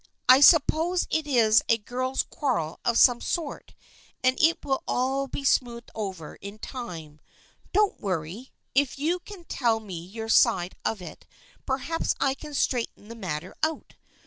I suppose it is a girls' quarrel of some sort, and it will all be smoothed over in time. Don't worry. If you can tell me your side of it perhaps I can straighten the matter out.